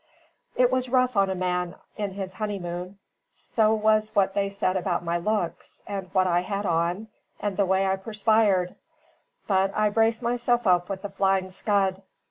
It was rough on a man in his honeymoon; so was what they said about my looks, and what I had on, and the way I perspired. But I braced myself up with the Flying Scud.